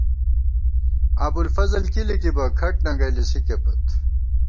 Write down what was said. ابوالفضل کی لِکِبہ کھٹ ننگَئ لِسِکے پت